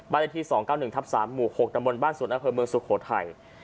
บ้านด้านที่๒๙๑ทับ๓หมู่๖ดำมนต์บ้านส่วนอาคเภอเมืองสุโขทัย